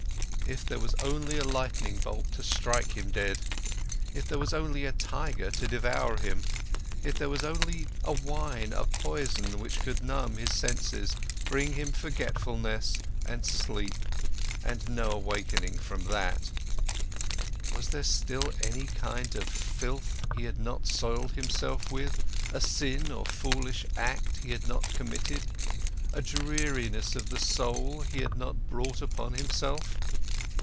If there only was a lightning bolt to strike him dead! If there only was a tiger to devour him! If there only was a wine, a poison which would numb his senses, bring him forgetfulness and sleep, and no awakening from that! Was there still any kind of filth he had not soiled himself with, a sin or foolish act he had not committed, a dreariness of the soul he had not brought upon himself?